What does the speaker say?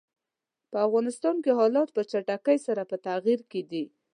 په افغانستان کې حالات په چټکۍ سره په تغییر کې دي.